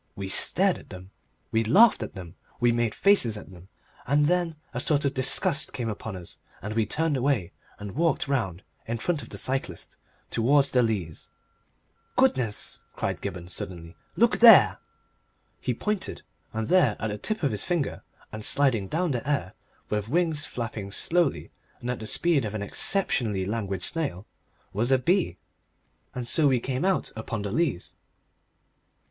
We stared at them, we laughed at them, we made faces at them, and then a sort of disgust of them came upon us, and we turned away and walked round in front of the cyclist towards the Leas. "Goodness!" cried Gibberne, suddenly; "look there!" He pointed, and there at the tip of his finger and sliding down the air with wings flapping slowly and at the speed of an exceptionally languid snail was a bee. And so we came out upon the Leas.